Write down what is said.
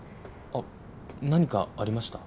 あっ何かありました？